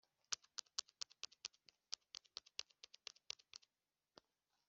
Kunda gusoma ibitabo byikinyarwanda